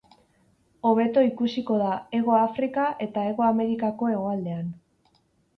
Hobeto ikusiko da Hego Afrika eta Hego Amerikako hegoaldean.